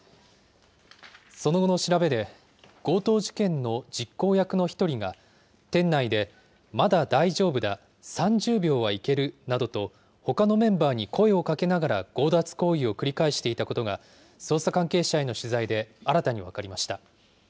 その後の調べで、強盗事件の実行役の１人が、店内で、まだ大丈夫だ、３０秒はいけるなどとほかのメンバーに声をかけながら、強奪行為を繰り返していたことが、捜査関係者への取材で新たに分かりました。